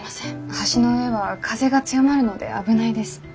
橋の上は風が強まるので危ないです。